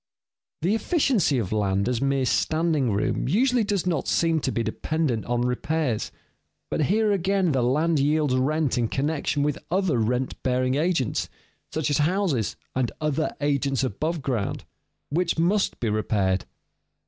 The efficiency of land as mere standing room usually does not seem to be dependent on repairs. But here again the land yields rent in connection with other rent bearing agents (such as houses and other agents above ground), which must be repaired.